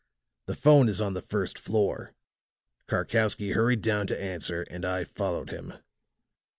The 'phone is on the first floor; Karkowsky hurried down to answer; and I followed him.